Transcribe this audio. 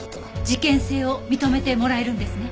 事件性を認めてもらえるんですね？